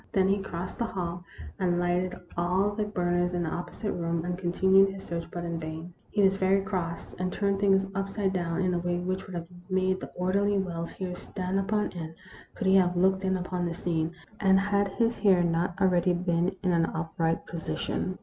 Then he crossed the hall, and lighted all the burners in the opposite room, and continued his search, but in vain. He was very cross, and turned things upside down, in a way which would have made the orderly Wells's hair stand upon end could he have looked in upon the scene, and had his hair not already been in an upright position.